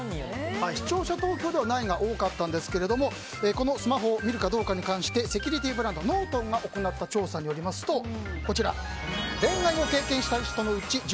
視聴者投票ではないが多かったんですけどスマホを見るかどうかに関してセキュリティーブランドノートンが行った調査によりますと恋愛を経験した人のうち１２％